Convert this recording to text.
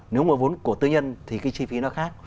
nếu mà vốn của tư nhân thì cái chi phí nó khác